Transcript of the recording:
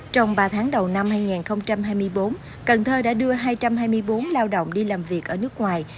trong ba tháng đầu năm hai nghìn hai mươi bốn cần thơ đã đưa hai trăm hai mươi bốn lao động đi làm việc ở nước ngoài